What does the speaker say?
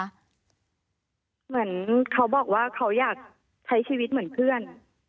เหมือนเขาบอกว่าเขาอยากใช้ชีวิตเหมือนเพื่อน